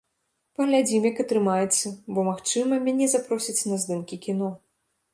Паглядзім, як атрымаецца, бо, магчыма, мяне запросяць на здымкі кіно.